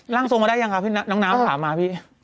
ร่างทรงมาได้ยังคะพี่น้องน้ำถามมาพี่